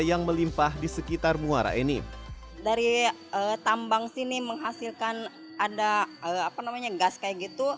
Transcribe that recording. yang melimpah di sekitar muara ini dari tambang sini menghasilkan ada apa namanya gas kayak gitu